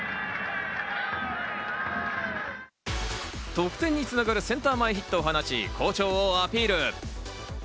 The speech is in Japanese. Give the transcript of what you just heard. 得点に繋がるセンター前ヒットを放ち、好調をアピール。